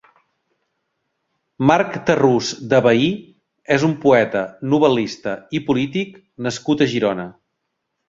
Marc Tarrús de Vehí és un poeta, novel·lista i polític nascut a Girona.